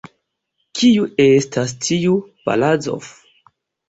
Kiu estas tiu Barazof?